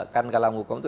kan dalam hukum itu